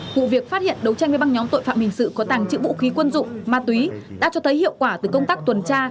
vụ việc phát hiện đấu tranh với băng nhóm tội phạm hình sự có tàng trữ vũ khí quân dụng ma túy đã cho thấy hiệu quả từ công tác tuần tra